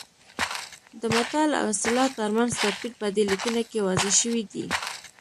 د متل او اصطلاح ترمنځ توپیر په دې لیکنه کې واضح شوی دی